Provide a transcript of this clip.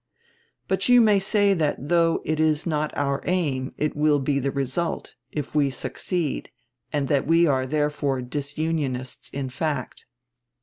But you may say that though it is not our aim, it will be the result, if we succeed, and that we are therefore disunionists in fact.